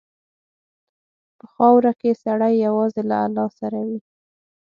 په خاوره کې سړی یوازې له الله سره وي.